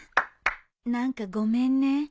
何かごめんね。